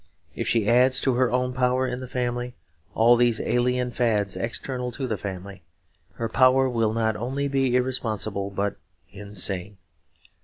If she adds to her own power in the family all these alien fads external to the family, her power will not only be irresponsible but insane.